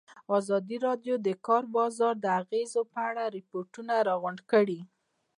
ازادي راډیو د د کار بازار د اغېزو په اړه ریپوټونه راغونډ کړي.